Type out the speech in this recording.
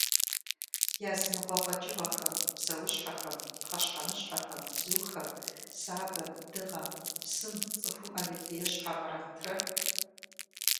Языныкъуэ къэкӏыгъэхэм, псэущхьэхэм, пхъэщхьэмыщхьэхэм, бзухэм, сабэм, дыгъэм, псым цӏыхум аллергие щхьэ къратрэ?